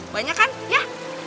banyak kan ya